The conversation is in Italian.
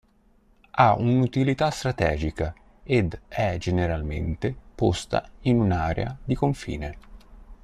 Ha un'utilità strategica ed è generalmente posta in un'area di confine.